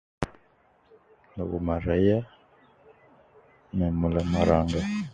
Luguma rayiya, ma mula maranga.